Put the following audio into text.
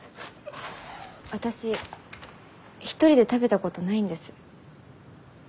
・私一人で食べたことないんです。